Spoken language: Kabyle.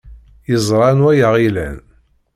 Yeẓra anwa ay aɣ-ilan.